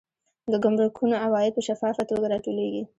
د ګمرکونو عواید په شفافه توګه راټولیږي.